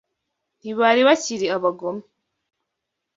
Ntibari bakiri abagome.